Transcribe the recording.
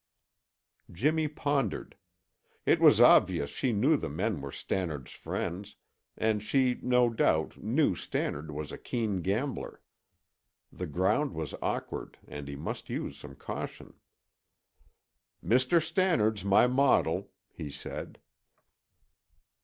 Jimmy pondered. It was obvious she knew the men were Stannard's friends, and she, no doubt, knew Stannard was a keen gambler. The ground was awkward and he must use some caution. "Mr. Stannard's my model," he said.